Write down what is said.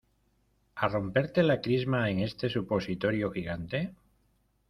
a romperte la crisma en este supositorio gigante?